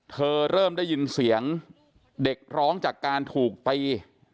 เริ่มได้ยินเสียงเด็กร้องจากการถูกตี